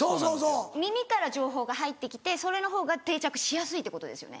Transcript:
耳から情報が入って来てそれのほうが定着しやすいってことですよね？